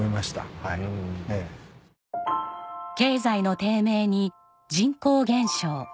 経済の低迷に人口減少。